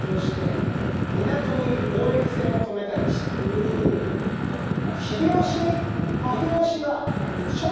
ほうほうなるほど。